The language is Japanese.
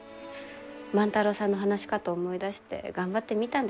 万太郎さんの話し方思い出して頑張ってみたんですけどね。